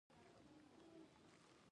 ما ورته وویل: ته تلای شې، رخصت یې ورکړ.